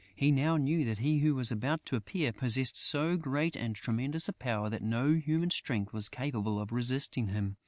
He now knew that he who was about to appear possessed so great and tremendous a power that no human strength was capable of resisting him.